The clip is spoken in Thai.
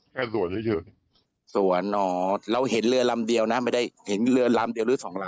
สวนเฉยส่วนอ๋อเราเห็นเรือลำเดียวนะไม่ได้เห็นเรือลำเดียวหรือสองลำ